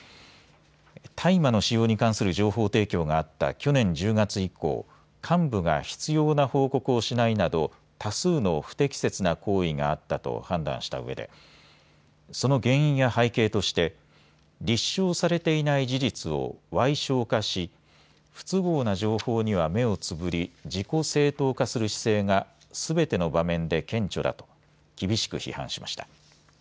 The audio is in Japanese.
大麻の使用に関する情報提供があった去年１０月以降、幹部が必要な報告をしないなど多数の不適切な行為があったと判断したうえでその原因や背景として立証されていない事実をわい小化し不都合な情報には目をつぶり自己正当化する姿勢がすべての場面で顕著だと厳しく批判しました。